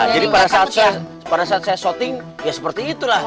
jadi pada saat saya syuting ya seperti itulah